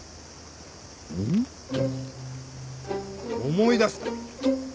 思い出した。